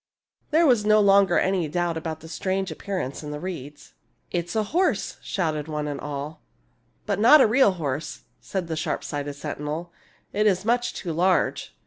There was no longer any doubt about the strange appear ance in the reeds. " It is a horse !" shouted one and all. " But not a real horse," said the sharp sighted sentinel —" it is much too large.